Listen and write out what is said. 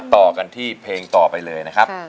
ต่อกันที่เพลงต่อไปเลย